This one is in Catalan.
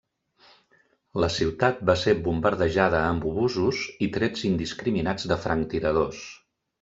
La ciutat va ser bombardejada amb obusos i trets indiscriminats de franctiradors.